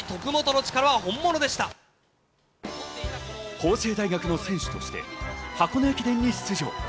法政大学の選手として箱根駅伝に出場。